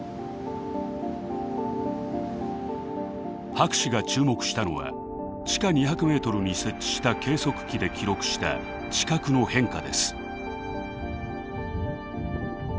博士が注目したのは地下２００メートルに設置した計測器で記録した地殻の変化です。